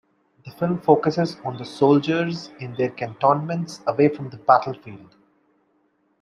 The film focuses on the soldiers in their cantonments away from the battlefield.